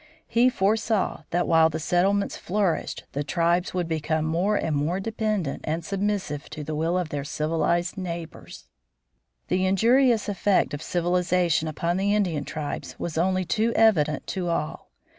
He foresaw that while the settlements flourished the tribes would become more and more dependent and submissive to the will of their civilized neighbors. The injurious effect of civilization upon the Indian tribes was only too evident to all.